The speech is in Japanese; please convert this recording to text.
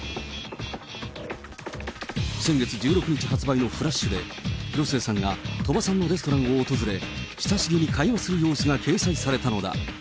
先月１６日発売のフラッシュで、広末さんが鳥羽さんのレストランを訪れ、親しげに会話する様子が掲載されたのだ。